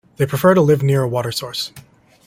They prefer to live near a water source.